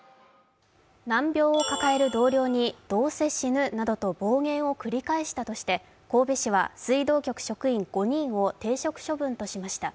難病を抱える同僚にどうせ死ぬなどと暴言を繰り返したとして神戸市は水道局職員５人を停職処分としました。